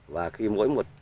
và khi mỗi một